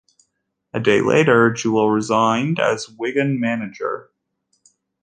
A day later, Jewell resigned as Wigan manager.